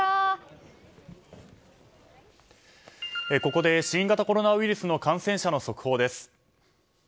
ここで、新型コロナウイルスの感染者の速報です。